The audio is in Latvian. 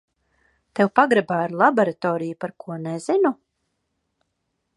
Tev pagrabā ir laboratorija, par ko nezinu?